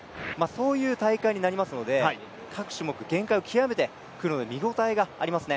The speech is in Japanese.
そういう大会になりますので各種目、限界を極めてくるので見応えがありますね。